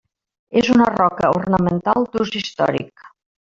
És una roca ornamental d'ús històric.